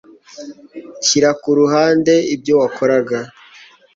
shyira ku ruhande ibyo wakoraga,